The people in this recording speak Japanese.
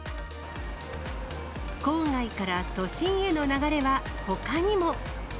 郊外から都心への流れはほかにも。